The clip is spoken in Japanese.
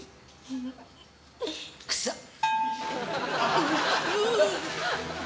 くさっ。